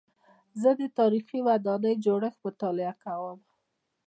زه د تاریخي ودانیو جوړښت مطالعه کوم.